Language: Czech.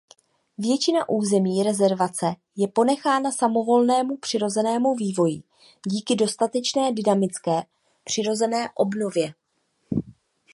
Většina území rezervace je ponechána samovolnému přirozenému vývoji díky dostatečné dynamické přirozené obnově.